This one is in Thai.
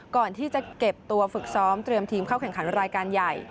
ก่อนที่จะเก็บตัวฝึกซ้อมเตรียมทีมเข้าแข่งขันรายการใหญ่